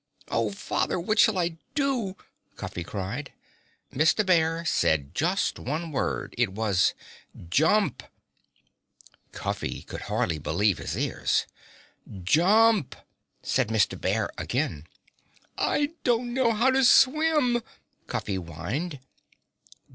"Oh, Father! What shall I do?" Cuffy cried. Mr. Bear said just one word. It was "Jump!" Cuffy could hardly believe his ears. "Jump!" said Mr. Bear again. "I don't know how to swim," Cuffy whined.